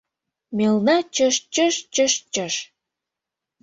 Мелна чыж-чыж-чыж-чыж!